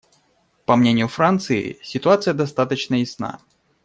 По мнению Франции, ситуация достаточно ясна.